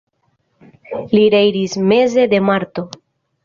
Li reiris meze de marto.